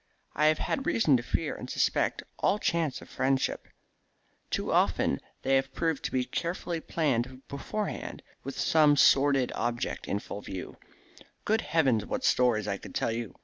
I have had reason to fear and suspect all chance friendships. Too often they have proved to be carefully planned beforehand, with some sordid object in view. Good heavens, what stories I could tell you!